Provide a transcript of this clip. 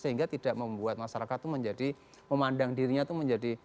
sehingga tidak membuat masyarakat itu menjadi memandang dirinya itu menjadi